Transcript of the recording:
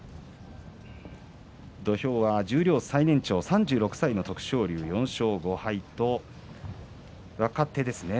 土俵は十両最年長３６歳の徳勝龍、４勝５敗と若手ですね